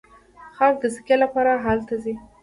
خلک د سکي لپاره هلته ځي.